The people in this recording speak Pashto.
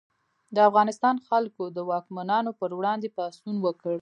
د افغانستان خلکو د واکمنانو پر وړاندې پاڅون وکړ.